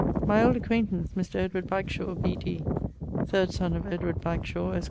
My old acquaintance, Mr. Edward Bagshawe, B.D., 3rd son of Edward Bagshawe, esq.